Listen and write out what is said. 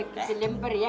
kita lempar ya